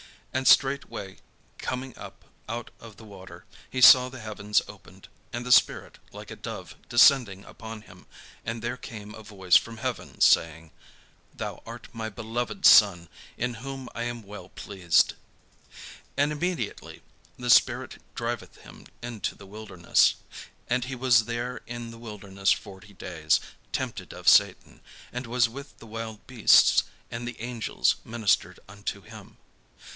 And straightway coming up out of the water, he saw the heavens opened, and the Spirit like a dove descending upon him: and there came a voice from heaven, saying: "Thou art my beloved Son, in whom I am well pleased." And immediately the spirit driveth him into the wilderness. And he was there in the wilderness forty days, tempted of Satan; and was with the wild beasts; and the angels ministered unto him.